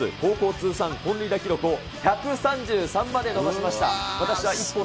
通算本塁打記録を１３３まで伸ばしました。